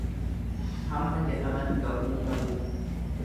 Hamma jedhaman ga'uu dhabuu.